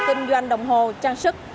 kinh doanh đồng hồ trang sức